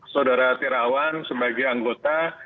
saudara tirawan sebagai anggota